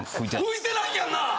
吹いてないやんな！？